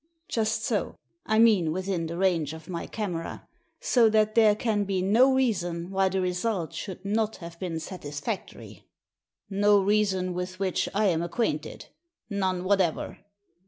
"Just so; I mean within the range of my camera, so that there can be no reason why the results should not have been satisfactory." ''No reason with which I am acquainted — none whatever.